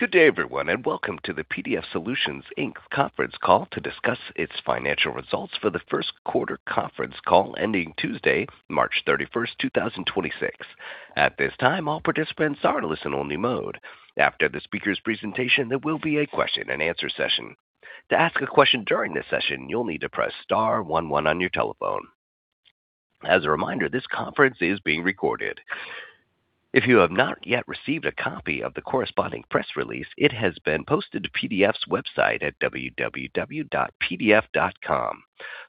Good day, everyone, welcome to the PDF Solutions Inc. conference call to discuss its financial results for the first quarter conference call ending Tuesday, March 31st, 2026. At this time all participants are to listen only mode. After the speaker's presentation there will be a question and answer session. To ask a question during this session, you'lI need to press star one one on your telephone. As a reminder, this conference is being recorded. If you have not yet received a copy of the corresponding press release, it has been posted to PDF's website at www.pdf.com.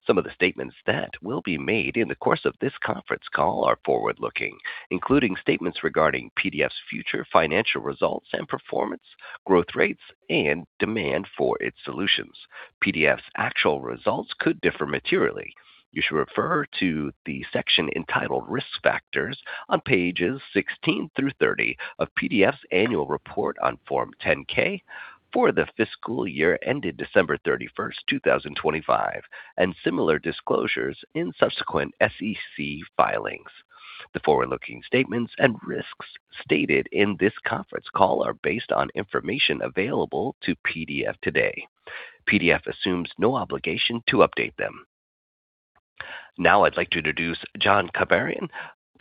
Some of the statements that will be made in the course of this conference call are forward-looking, including statements regarding PDF's future financial results and performance, growth rates, and demand for its solutions. PDF's actual results could differ materially. You should refer to the section entitled Risk Factors on pages 16 through 30 of PDF's annual report on Form 10-K for the fiscal year ended December 31st, 2025, and similar disclosures in subsequent SEC filings. The forward-looking statements and risks stated in this conference call are based on information available to PDF today. PDF assumes no obligation to update them. Now I'd like to introduce John Kibarian,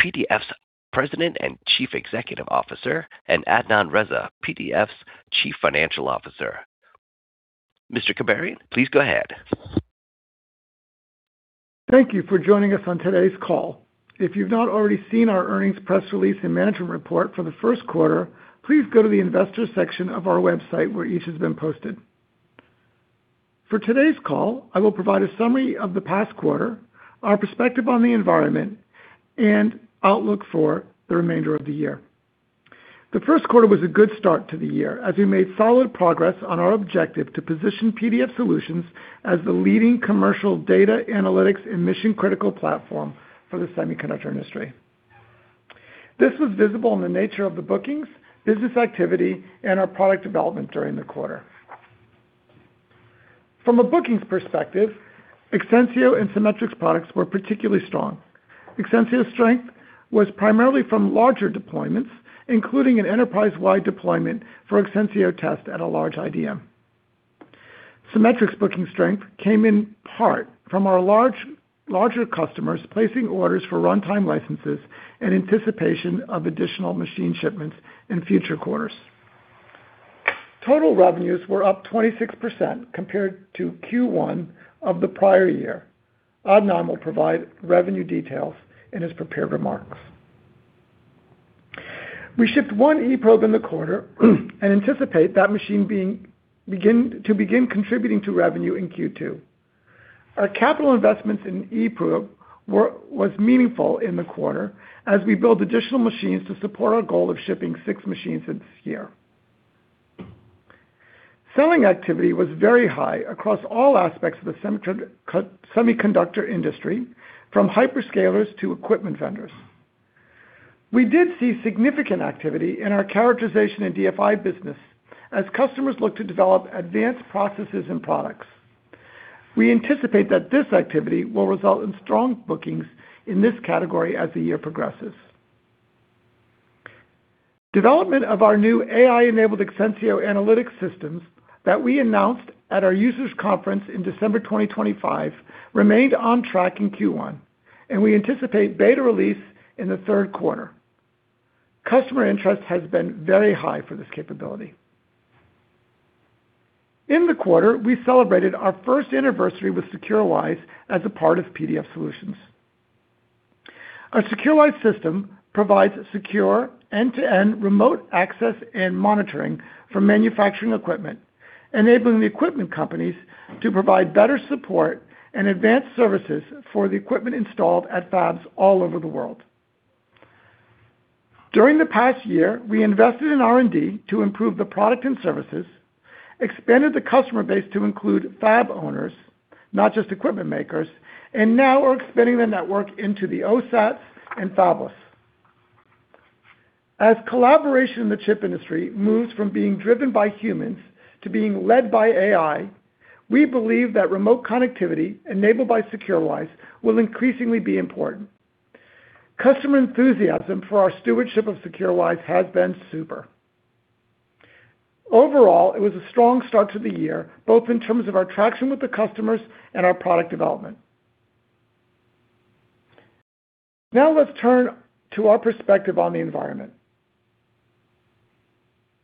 PDF's President and Chief Executive Officer, and Adnan Raza, PDF's Chief Financial Officer. Mr. Kibarian, please go ahead. Thank you for joining us on today's call. If you've not already seen our earnings press release and management report for the first quarter, please go to the investor section of our website, where each has been posted. For today's call, I will provide a summary of the past quarter, our perspective on the environment, and outlook for the remainder of the year. The first quarter was a good start to the year as we made solid progress on our objective to position PDF Solutions as the leading commercial data analytics and mission-critical platform for the semiconductor industry. This was visible in the nature of the bookings, business activity, and our product development during the quarter. From a bookings perspective, Exensio and Cimetrix products were particularly strong. Exensio's strength was primarily from larger deployments, including an enterprise-wide deployment for Exensio Test at a large IDM. Cimetrix booking strength came in part from our larger customers placing orders for runtime licenses in anticipation of additional machine shipments in future quarters. Total revenues were up 26% compared to Q1 of the prior year. Adnan will provide revenue details in his prepared remarks. We shipped one eProbe in the quarter and anticipate that machine to begin contributing to revenue in Q2. Our capital investments in eProbe was meaningful in the quarter as we build additional machines to support our goal of shipping six machines this year. Selling activity was very high across all aspects of the semiconductor industry, from hyperscalers to equipment vendors. We did see significant activity in our characterization and DFI business as customers look to develop advanced processes and products. We anticipate that this activity will result in strong bookings in this category as the year progresses. Development of our new AI-enabled Exensio analytics systems that we announced at our users' conference in December 2025 remained on track in Q1, and we anticipate beta release in the third quarter. Customer interest has been very high for this capability. In the quarter, we celebrated our first anniversary with secureWISE as a part of PDF Solutions. Our secureWISE system provides secure end-to-end remote access and monitoring for manufacturing equipment, enabling the equipment companies to provide better support and advanced services for the equipment installed at fabs all over the world. During the past year, we invested in R&D to improve the product and services, expanded the customer base to include fab owners, not just equipment makers, and now we're expanding the network into the OSATs and fabless. As collaboration in the chip industry moves from being driven by humans to being led by AI, we believe that remote connectivity enabled by secureWISE will increasingly be important. Customer enthusiasm for our stewardship of secureWISE has been super. Overall, it was a strong start to the year, both in terms of our traction with the customers and our product development. Now let's turn to our perspective on the environment.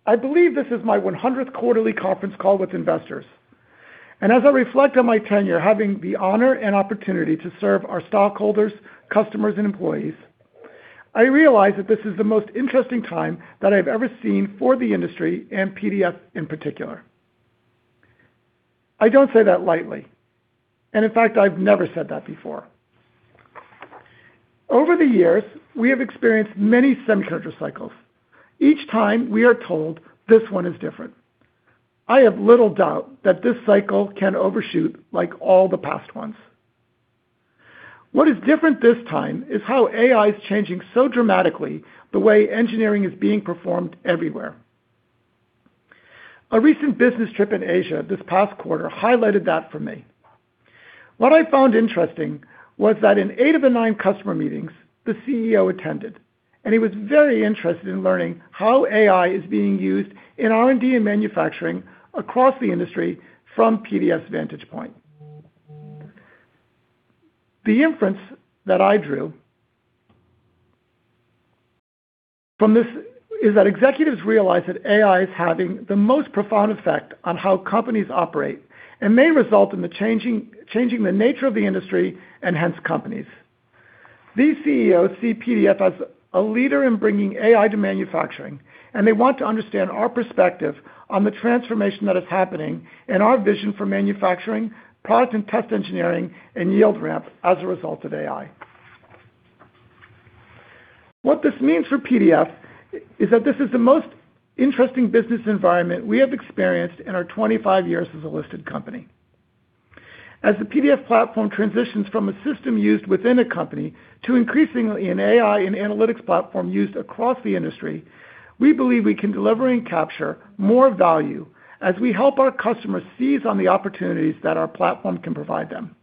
I believe this is my 100th quarterly conference call with investors, and as I reflect on my tenure having the honor and opportunity to serve our stockholders, customers, and employees, I realize that this is the most interesting time that I've ever seen for the industry and PDF in particular. I don't say that lightly, and in fact I've never said that before. Over the years, we have experienced many semiconductor cycles. Each time we are told this one is different. I have little doubt that this cycle can overshoot like all the past ones. What is different this time is how AI is changing so dramatically the way engineering is being performed everywhere. A recent business trip in Asia this past quarter highlighted that for me. What I found interesting was that in eight of the nine customer meetings, the CEO attended, and he was very interested in learning how AI is being used in R&D and manufacturing across the industry from PDF's vantage point. The inference that I drew from this is that executives realize that AI is having the most profound effect on how companies operate and may result in the changing the nature of the industry and hence companies. These CEOs see PDF as a leader in bringing AI to manufacturing, and they want to understand our perspective on the transformation that is happening and our vision for manufacturing, product and test engineering, and yield ramp as a result of AI. What this means for PDF is that this is the most interesting business environment we have experienced in our 25 years as a listed company. As the PDF platform transitions from a system used within a company to increasingly an AI and analytics platform used across the industry, we believe we can deliver and capture more value as we help our customers seize on the opportunities that our platform can provide them.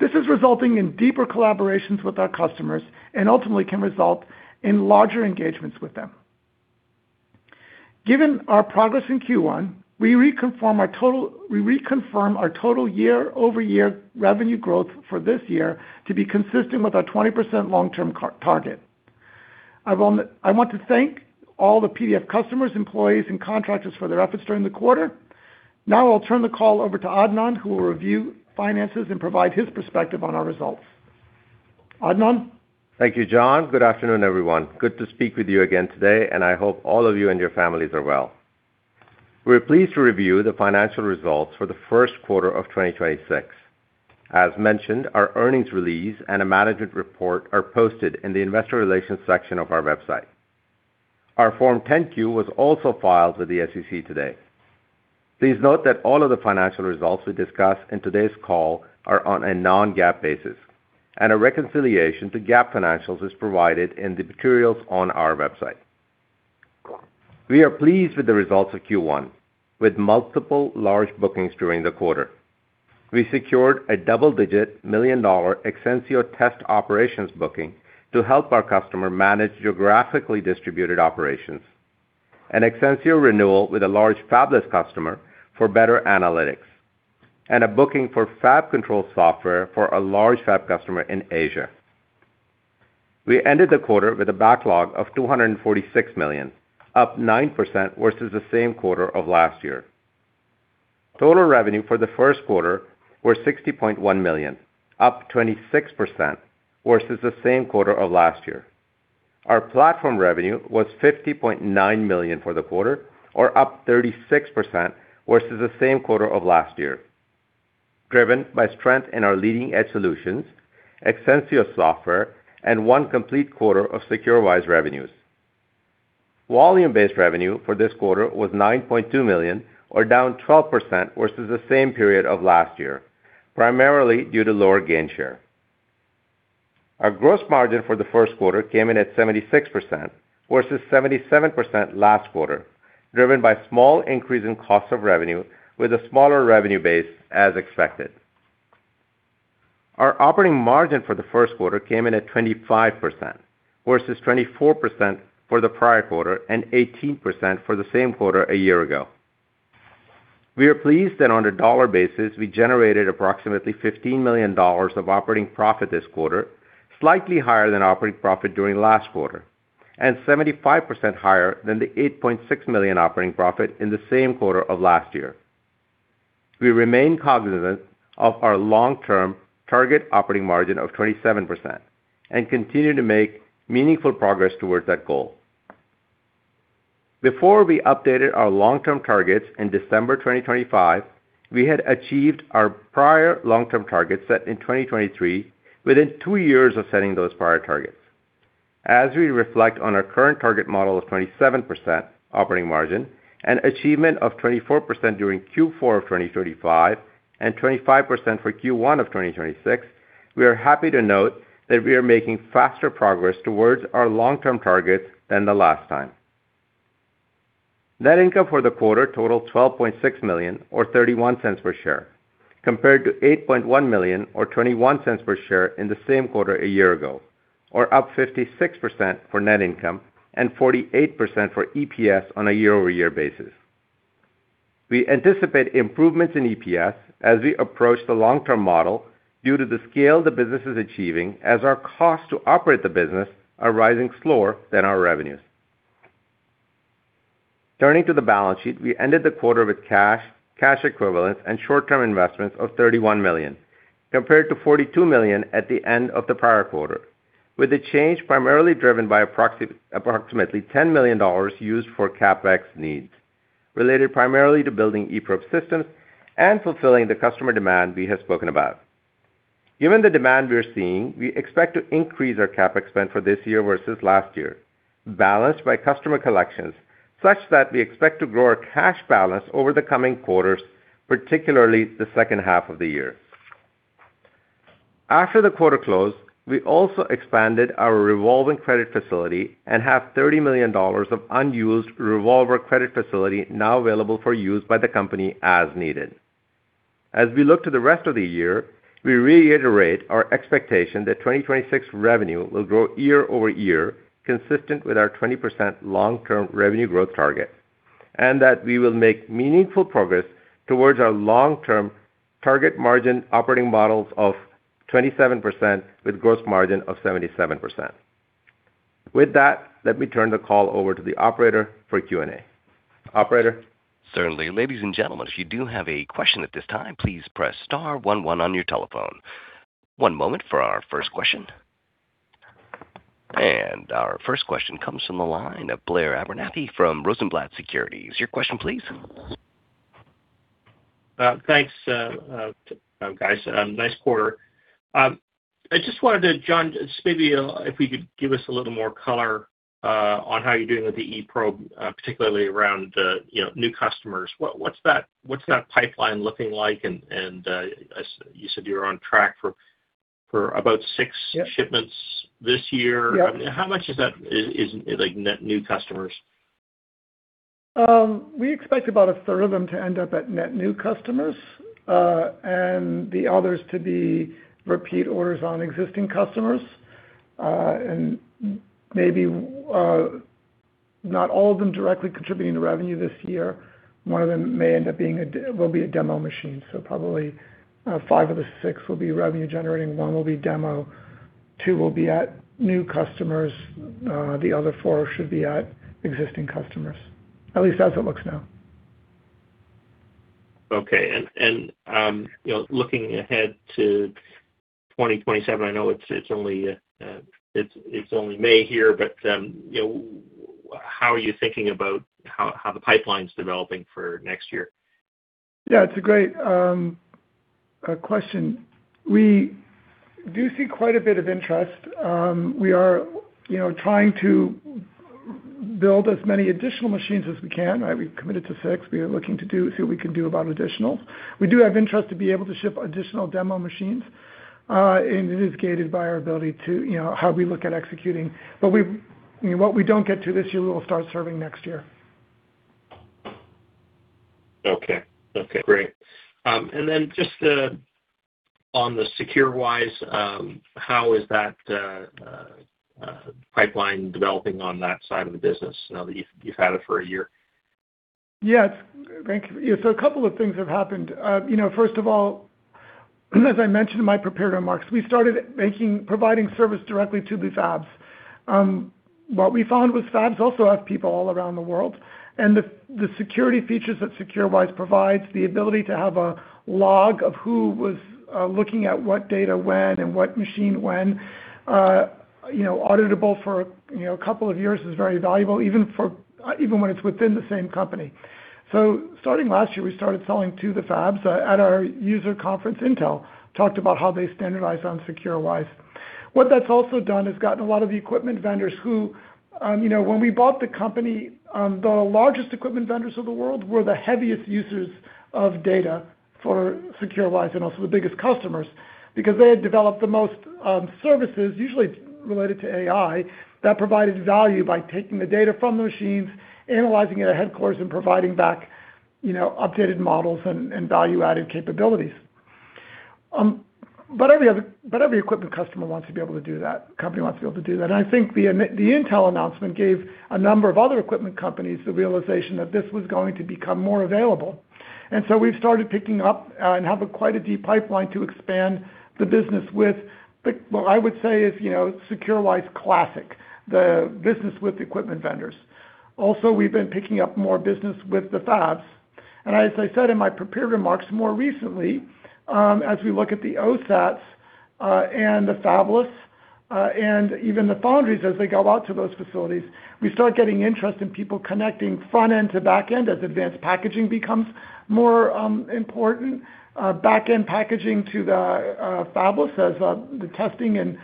This is resulting in deeper collaborations with our customers and ultimately can result in larger engagements with them. Given our progress in Q1, we reconfirm our total year-over-year revenue growth for this year to be consistent with our 20% long-term target. I want to thank all the PDF customers, employees, and contractors for their efforts during the quarter. Now I'll turn the call over to Adnan, who will review finances and provide his perspective on our results. Adnan? Thank you, John. Good afternoon, everyone. Good to speak with you again today, and I hope all of you and your families are well. We're pleased to review the financial results for the first quarter of 2026. As mentioned, our earnings release and a management report are posted in the investor relations section of our website. Our Form 10-Q was also filed with the SEC today. Please note that all of the financial results we discuss in today's call are on a non-GAAP basis, and a reconciliation to GAAP financials is provided in the materials on our website. We are pleased with the results of Q1 with multiple large bookings during the quarter. We secured a double-digit million-dollar Exensio Test Operations booking to help our customer manage geographically distributed operations, an Exensio renewal with a large fabless customer for better analytics. A booking for fab control software for a large fab customer in Asia. We ended the quarter with a backlog of $246 million, up 9% versus the same quarter of last year. Total revenue for the first quarter was $60.1 million, up 26% versus the same quarter of last year. Our platform revenue was $50.9 million for the quarter or up 36% versus the same quarter of last year, driven by strength in our leading-edge solutions, Exensio software, and one complete quarter of secureWISE revenues. Volume-based revenue for this quarter was $9.2 million or down 12% versus the same period of last year, primarily due to lower Gainshare. Our gross margin for the first quarter came in at 76% versus 77% last quarter, driven by small increase in cost of revenue with a smaller revenue base as expected. Our operating margin for the first quarter came in at 25% versus 24% for the prior quarter and 18% for the same quarter a year ago. We are pleased that on a dollar basis, we generated approximately $15 million of operating profit this quarter, slightly higher than operating profit during last quarter, and 75% higher than the $8.6 million operating profit in the same quarter of last year. We remain cognizant of our long-term target operating margin of 27% and continue to make meaningful progress towards that goal. Before we updated our long-term targets in December 2025, we had achieved our prior long-term targets set in 2023 within two years of setting those prior targets. As we reflect on our current target model of 27% operating margin and achievement of 24% during Q4 of 2025 and 25% for Q1 of 2026, we are happy to note that we are making faster progress towards our long-term targets than the last time. Net income for the quarter totaled $12.6 million or $0.31 per share, compared to $8.1 million or $0.21 per share in the same quarter a year ago, or up 56% for net income and 48% for EPS on a year-over-year basis. We anticipate improvements in EPS as we approach the long-term model due to the scale the business is achieving as our costs to operate the business are rising slower than our revenues. Turning to the balance sheet, we ended the quarter with cash equivalents, and short-term investments of $31 million, compared to $42 million at the end of the prior quarter, with the change primarily driven by approximately $10 million used for CapEx needs related primarily to building eProbe systems and fulfilling the customer demand we have spoken about. Given the demand we are seeing, we expect to increase our CapEx spend for this year versus last year, balanced by customer collections such that we expect to grow our cash balance over the coming quarters, particularly the second half of the year. After the quarter close, we also expanded our revolving credit facility and have $30 million of unused revolver credit facility now available for use by the company as needed. As we look to the rest of the year, we reiterate our expectation that 2026 revenue will grow year-over-year, consistent with our 20% long-term revenue growth target, and that we will make meaningful progress towards our long-term target margin operating models of 27% with gross margin of 77%. With that, let me turn the call over to the operator for Q&A. Operator? Certainly. Ladies and gentlemen, if you do have a question at this time, please press star one one on your telephone. One moment for our first question. Our first question comes from the line of Blair Abernethy from Rosenblatt Securities. Your question please. Thanks, guys. Nice quarter. John, maybe if you could give us a little more color on how you're doing with the eProbe, particularly around the, you know, new customers. What's that pipeline looking like? You said you were on track for about six Yep Shipments this year? Yep. How much is that is like net new customers? We expect about a third of them to end up at net new customers, and the others to be repeat orders on existing customers. And maybe, not all of them directly contributing to revenue this year. One of them will be a demo machine. Probably, five of the six will be revenue generating, one will be demo, two will be at new customers. The other four should be at existing customers, at least as it looks now. Okay. You know, looking ahead to 2027, I know it's only May here, you know, how are you thinking about how the pipeline's developing for next year? Yeah, it's a great question. We do see quite a bit of interest. We are, you know, trying to build as many additional machines as we can. We've committed to six. We are looking to see what we can do about additional. We do have interest to be able to ship additional demo machines. It is gated by our ability to, you know, how we look at executing. What we don't get to this year, we will start serving next year. Okay. Okay, great. Then just on the secureWISE, how is that pipeline developing on that side of the business now that you've had it for a year? Thank you. A couple of things have happened. You know, first of all, as I mentioned in my prepared remarks, we started providing service directly to the fabs. What we found was fabs also have people all around the world, and the security features that secureWISE provides, the ability to have a log of who was looking at what data when and what machine when, you know, auditable for, you know, a couple of years is very valuable, even when it's within the same company. Starting last year, we started selling to the fabs. At our user conference, Intel talked about how they standardize on secureWISE. What that's also done is gotten a lot of the equipment vendors who, you know, when we bought the company, the largest equipment vendors of the world were the heaviest users of data for secureWISE, and also the biggest customers, because they had developed the most services, usually related to AI, that provided value by taking the data from the machines, analyzing it at headquarters, and providing back, you know, updated models and value-added capabilities. Every company wants to be able to do that. I think the Intel announcement gave a number of other equipment companies the realization that this was going to become more available. So we've started picking up, and have a quite a deep pipeline to expand the business with. What I would say is, you know, secureWISE classic, the business with equipment vendors. Also, we've been picking up more business with the fabs. As I said in my prepared remarks more recently, as we look at the OSATs, and the fabless, and even the foundries as they go out to those facilities, we start getting interest in people connecting front-end to back-end as advanced packaging becomes more important, back-end packaging to the fabless as the testing and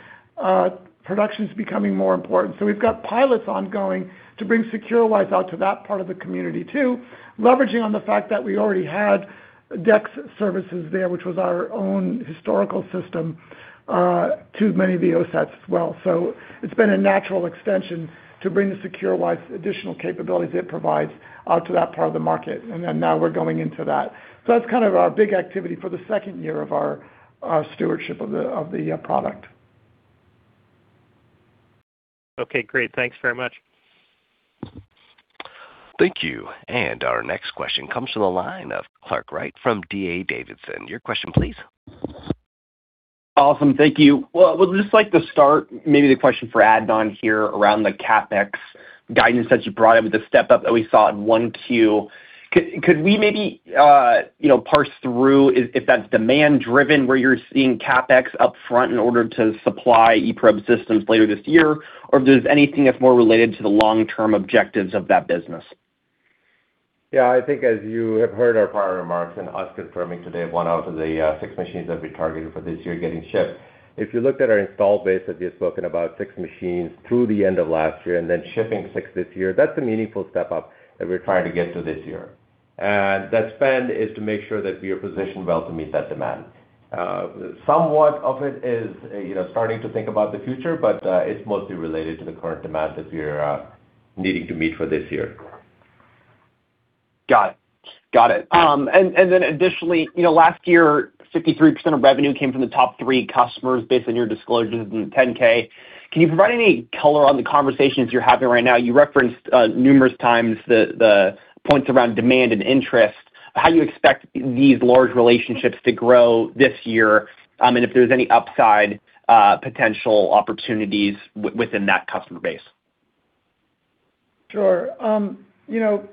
production is becoming more important. We've got pilots ongoing to bring secureWISE out to that part of the community too, leveraging on the fact that we already had DEX services there, which was our own historical system, to many of the OSATs as well. It's been a natural extension to bring the secureWISE additional capabilities it provides out to that part of the market. Now we're going into that. That's kind of our big activity for the second year of our stewardship of the product. Okay, great. Thanks very much. Thank you. Our next question comes from the line of Clark Wright from D.A. Davidson. Your question, please. Awesome. Thank you. Well, just like to start maybe the question for Adnan here around the CapEx guidance that you brought up with the step-up that we saw in 1Q. Could we maybe, you know, parse through if that's demand-driven, where you're seeing CapEx up front in order to supply eProbe systems later this year? Or if there's anything that's more related to the long-term objectives of that business? Yeah. I think as you have heard our prior remarks and us confirming today, one out of the six machines that we targeted for this year getting shipped. If you looked at our install base that we had spoken about, six machines through the end of last year and then shipping six this year, that's a meaningful step up that we're trying to get to this year. That spend is to make sure that we are positioned well to meet that demand. Somewhat of it is, you know, starting to think about the future, but it's mostly related to the current demand that we are needing to meet for this year. Got it. Got it. Then additionally, you know, last year, 53% of revenue came from the top three customers based on your disclosures in the Form 10-K. Can you provide any color on the conversations you're having right now? You referenced numerous times the points around demand and interest. How you expect these large relationships to grow this year, and if there's any upside potential opportunities within that customer base? Sure. You know,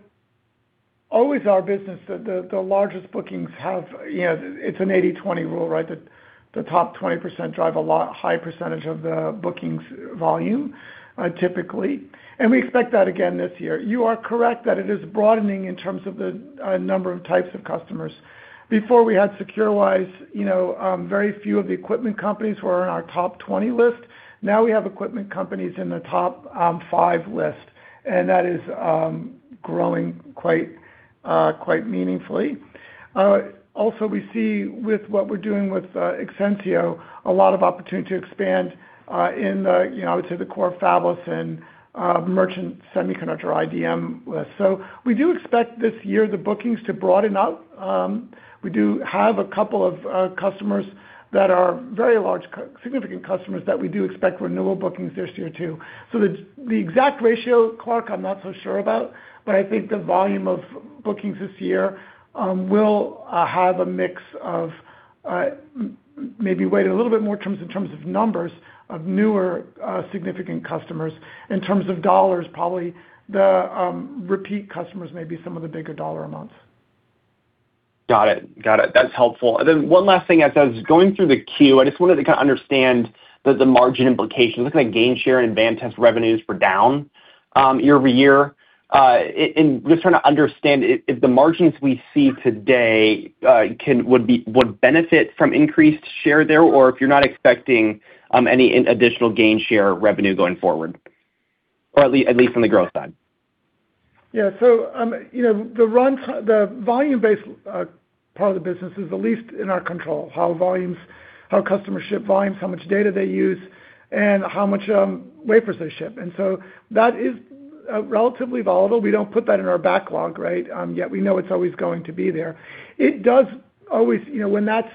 always our business, the, the largest bookings have, you know, it's an 80/20 rule, right? The, the top 20% drive a lot high percentage of the bookings volume, typically. We expect that again this year. You are correct that it is broadening in terms of the number of types of customers. Before we had secureWISE, you know, very few of the equipment companies were on our top 20 list. Now we have equipment companies in the top five list. That is growing quite meaningfully. Also we see with what we're doing with Exensio, a lot of opportunity to expand in the, you know, I would say the core fabless and merchant semiconductor IDM list. We do expect this year the bookings to broaden out. We do have a couple of customers that are very large significant customers that we do expect renewal bookings this year too. The exact ratio, Clark, I am not so sure about, but I think the volume of bookings this year will have a mix of maybe weighted a little bit more in terms of numbers of newer significant customers. In terms of dollars, probably the repeat customers may be some of the bigger dollar amounts. Got it. Got it. That's helpful. One last thing. As I was going through the Form 10-Q, I just wanted to understand the margin implications. It looks like Gainshare and Advantest revenues were down year-over-year. Just trying to understand if the margins we see today would benefit from increased share there, or if you're not expecting any additional gain share revenue going forward, or at least on the growth side. Yeah. You know, the volume-based part of the business is the least in our control, how volumes, how customers ship volumes, how much data they use, and how much wafers they ship. That is relatively volatile. We don't put that in our backlog, right? Yet we know it's always going to be there. You know, when that's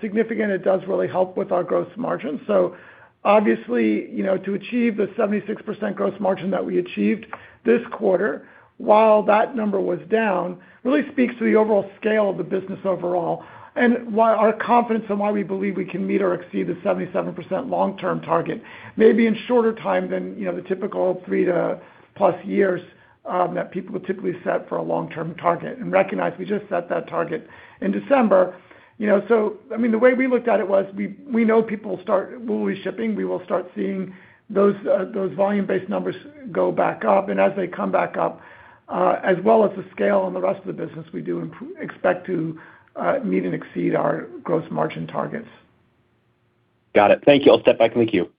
significant, it does really help with our gross margin. Obviously, you know, to achieve the 76% gross margin that we achieved this quarter, while that number was down, really speaks to the overall scale of the business overall and why our confidence and why we believe we can meet or exceed the 77% long-term target, maybe in shorter time than, you know, the typical 3+ years that people would typically set for a long-term target. Recognize we just set that target in December. You know, I mean, the way we looked at it was we know people will start volume shipping. We will start seeing those volume-based numbers go back up. As they come back up, as well as the scale on the rest of the business, we do expect to meet and exceed our gross margin targets. Got it. Thank you. I'll step back in the queue.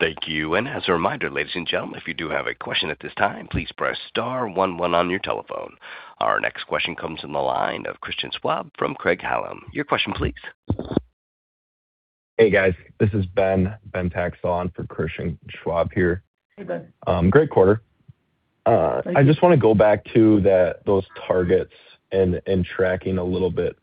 Thank you. As a reminder, ladies and gentlemen, if you do have a question at this time, please press star one one on your telephone. Our next question comes from the line of Christian Schwab from Craig-Hallum. Your question please. Hey, guys. This is Ben Taxdahl on for Christian Schwab here. Hey, Ben. Great quarter. Thank you. I just wanna go back to that, those targets and tracking a little bit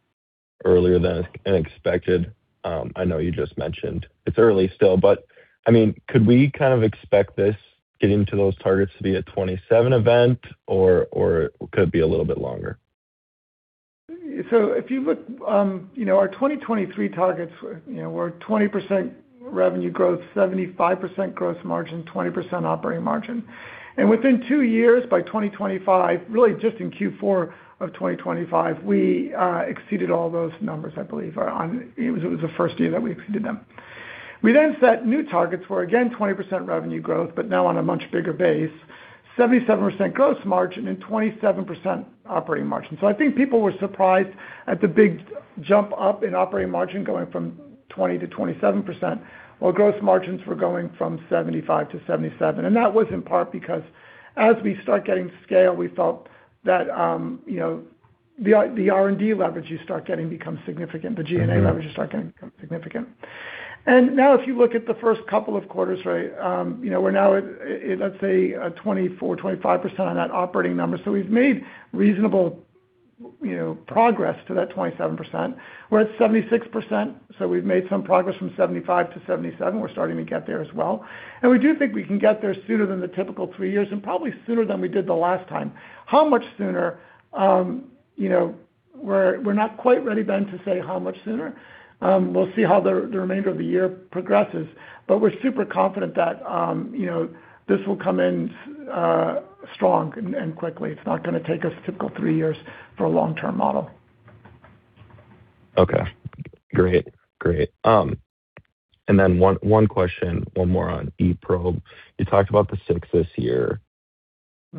earlier than expected. I know you just mentioned it's early still, but I mean, could we kind of expect this getting to those targets to be a 2027 event, or could it be a little bit longer? If you look, you know, our 2023 targets were, you know, 20% revenue growth, 75% gross margin, 20% operating margin. Within two years, by 2025, really just in Q4 of 2025, we exceeded all those numbers, I believe. It was the first year that we exceeded them. We set new targets for, again, 20% revenue growth, but now on a much bigger base, 77% gross margin and 27% operating margin. I think people were surprised at the big jump up in operating margin going from 20%-27%, while gross margins were going from 75%-77%. That was in part because as we start getting scale, we felt that, you know, the R&D leverage you start getting becomes significant. The G&A leverage you start getting becomes significant. Now if you look at the first couple of quarters, right, you know, we're now at let's say a 24%, 25% on that operating number. We've made reasonable, you know, progress to that 27%. We're at 76%, so we've made some progress from 75%-77%. We're starting to get there as well. We do think we can get there sooner than the typical three years and probably sooner than we did the last time. How much sooner? You know, we're not quite ready, Ben, to say how much sooner. We'll see how the remainder of the year progresses, but we're super confident that, you know, this will come in strong and quickly. It's not gonna take us typical three years for a long-term model. Okay. Great. Great. One question, one more on eProbe. You talked about the six this year.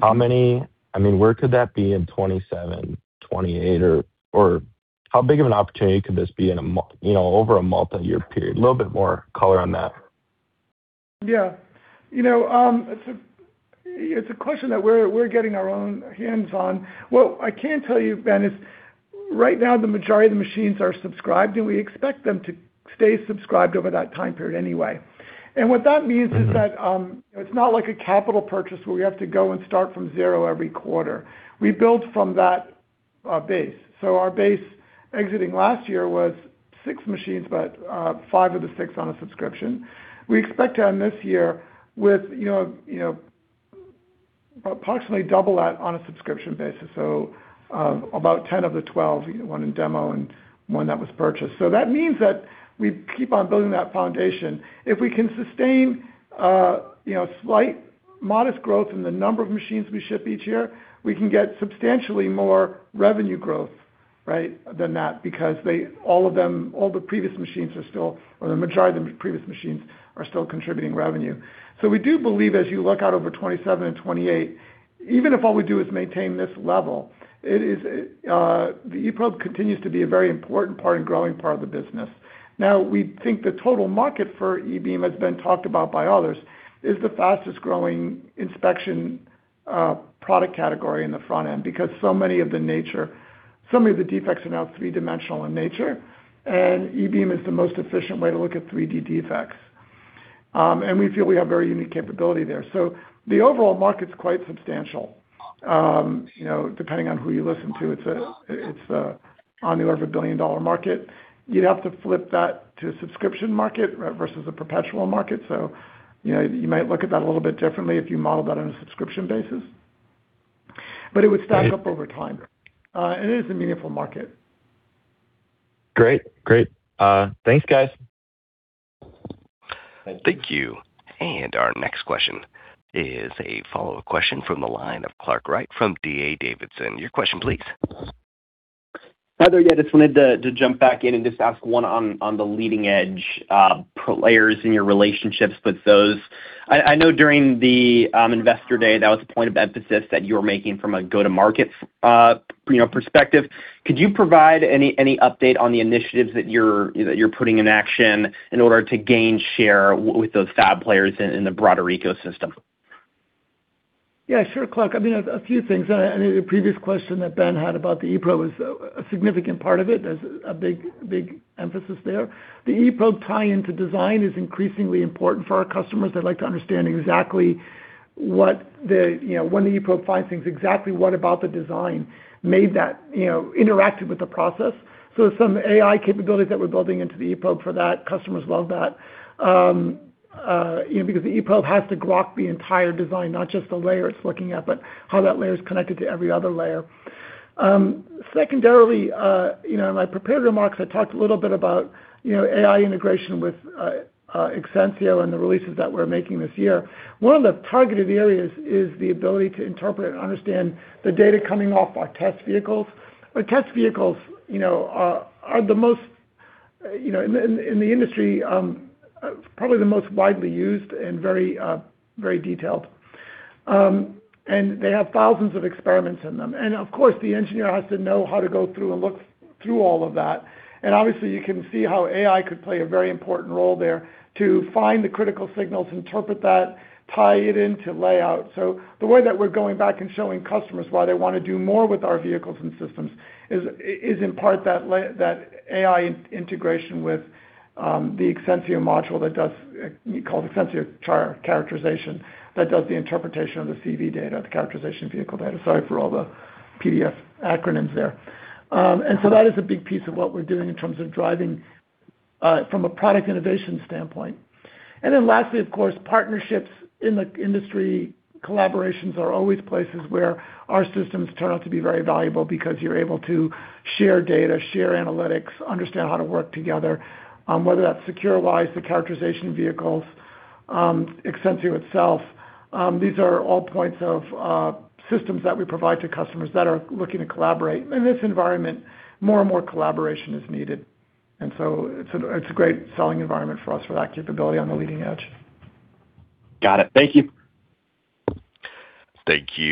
I mean, where could that be in 2027, 2028? Or how big of an opportunity could this be in a you know, over a multi-year period? A little bit more color on that? Yeah. You know, it's a question that we're getting our own hands on. What I can tell you, Ben, is right now the majority of the machines are subscribed, we expect them to stay subscribed over that time period anyway. What that means is that, it's not like a capital purchase where we have to go and start from zero every quarter. We build from that base. Our base exiting last year was six machines, but five of the six on a subscription. We expect to end this year with, you know, approximately double that on a subscription basis. About 10 of the 12, one in demo and one that was purchased. That means that we keep on building that foundation. If we can sustain, you know, slight modest growth in the number of machines we ship each year, we can get substantially more revenue growth, right, than that because they, all of them, all the previous machines are still or the majority of the previous machines are still contributing revenue. We do believe as you look out over 2027 and 2028, even if all we do is maintain this level, it is the eProbe continues to be a very important part and growing part of the business. We think the total market for e-beam has been talked about by others, is the fastest-growing inspection product category in the front end because so many of the nature, so many of the defects are now three-dimensional in nature, and e-beam is the most efficient way to look at 3D defects. We feel we have very unique capability there. The overall market's quite substantial. You know, depending on who you listen to, it's a on the order of a billion-dollar market. You'd have to flip that to subscription market versus a perpetual market. You know, you might look at that a little bit differently if you model that on a subscription basis. It would stack up over time. It is a meaningful market. Great. Great. Thanks, guys. Thank you. Our next question is a follow question from the line of Clark Wright from D.A. Davidson. Your question please. Hi there, just wanted to jump back in and just ask one on the leading edge players in your relationships with those. I know during the Investor day, that was a point of emphasis that you were making from a go-to-market, you know, perspective. Could you provide any update on the initiatives that you're putting in action in order to gain share with those fab players in the broader ecosystem? Yeah, sure, Clark. I mean, a few things. The previous question that Ben had about the eProbe is a significant part of it. There's a big emphasis there. The eProbe tie-in to design is increasingly important for our customers. They like to understand exactly what the you know, when the eProbe finds things, exactly what about the design made that, you know, interacted with the process. Some AI capabilities that we're building into the eProbe for that, customers love that. You know, because the eProbe has to grasp the entire design, not just the layer it's looking at, but how that layer is connected to every other layer. Secondarily, you know, in my prepared remarks, I talked a little bit about, you know, AI integration with Exensio and the releases that we're making this year. One of the targeted areas is the ability to interpret and understand the data coming off our test vehicles. Our test vehicles, you know, are the most, you know, in the industry, probably the most widely used and very detailed. They have thousands of experiments in them. Of course, the engineer has to know how to go through and look through all of that. Obviously, you can see how AI could play a very important role there to find the critical signals, interpret that, tie it into layout. The way that we're going back and showing customers why they want to do more with our vehicles and systems is in part that AI integration with the Exensio module that does, called Exensio Characterization, that does the interpretation of the CV data, the characterization vehicle data. Sorry for all the PDF acronyms there. That is a big piece of what we're doing in terms of driving from a product innovation standpoint. Lastly, of course, partnerships in the industry, collaborations are always places where our systems turn out to be very valuable because you're able to share data, share analytics, understand how to work together, whether that's secureWISE, the characterization vehicles, Exensio itself. These are all points of systems that we provide to customers that are looking to collaborate. In this environment, more and more collaboration is needed. It's a great selling environment for us for that capability on the leading edge. Got it. Thank you. Thank you.